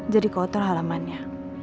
jadi kotor halamannya